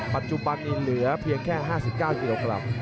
ปัจจุบันนี้เหลือเพียงแค่๕๙กิโลกรัม